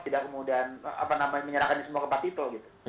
tidak kemudian menyerahkan semua ke pak tito gitu